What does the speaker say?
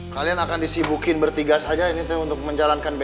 kalian akan disibukin bertiga saja ini teh untuk menikah ya